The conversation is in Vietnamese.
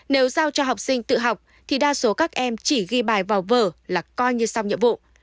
nếu giao cho học sinh tự học thì đa số các em chỉ ghi bài vào vở là coi như xong nhiệm vụ